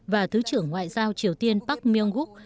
và thứ trưởng ngoại giao triều tiên park myung guk